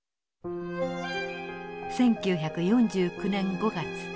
１９４９年５月。